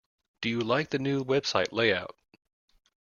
Do you like the new website layout?